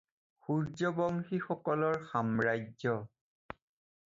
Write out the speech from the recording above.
সূৰ্যবংশীসকলৰ সাম্ৰাজ্য।